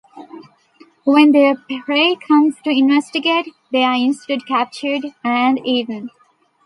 When their prey comes to investigate, they are instead captured and eaten.